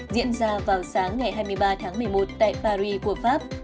diễn ra vào sáng ngày hai mươi ba tháng một mươi một tại paris của pháp